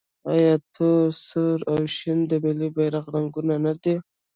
آیا تور، سور او شین د ملي بیرغ رنګونه نه دي؟